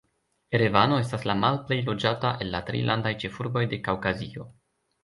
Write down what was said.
Erevano estas la malplej loĝata el la tri landaj ĉefurboj de Kaŭkazio.